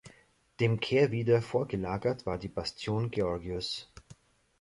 Dem Kehrwieder vorgelagert war die Bastion Georgius.